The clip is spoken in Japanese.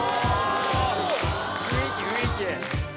雰囲気雰囲気！